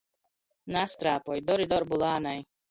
Nastrāpoj, dori dorbu lānai!